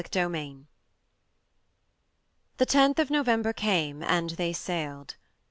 IV THE 10th of November came, and they sailed.